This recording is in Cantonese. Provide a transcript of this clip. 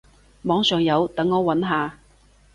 網上有，等我揾下